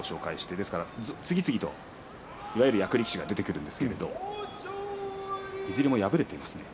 ですから次々といわゆる役力士が出てくるんですけどいずれも敗れていますね。